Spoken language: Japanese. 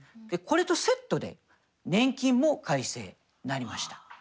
これとセットで年金も改正になりました。